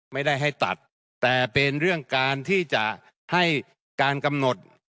ไม่ได้ให้ตัดแต่เป็นเรื่องการที่จะให้การกำหนด